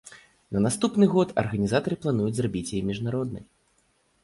На наступны год арганізатары плануюць зрабіць яе міжнароднай.